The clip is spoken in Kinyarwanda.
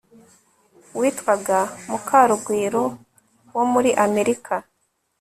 witwaga mukarugwiro wo muri amerika